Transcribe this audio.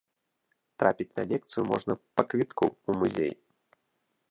Трапіць на лекцыю можна па квітку ў музей.